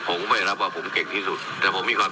ผมไม่รับว่าผมเก่งที่สุด